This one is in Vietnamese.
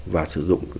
và sử dụng